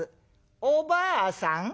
「おばあさん